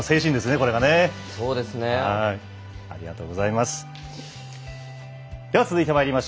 ありがとうございます。